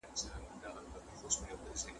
تشول چي مي خُمونه هغه نه یم `